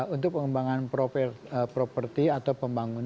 untuk pengembangan properti atau pembangunan